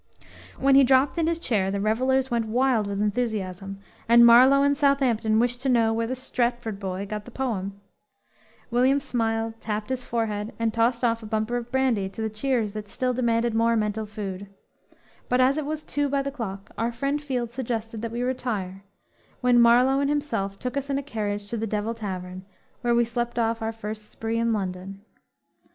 '"_ When he dropped in his chair the revelers went wild with enthusiasm, and Marlowe and Southampton wished to know where the "Stratford Boy" got the poem! William smiled, tapped his forehead and tossed off a bumper of brandy to the cheers that still demanded more mental food. But as it was two by the clock, our friend Field suggested that we retire, when Marlow and himself took us in a carriage to the Devil Tavern, where we slept off our first spree in London.